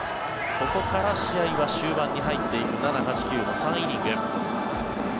ここから試合は終盤に入っていく７、８、９の３イニング。